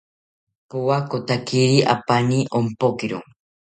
Powakotakiri apani ompokiro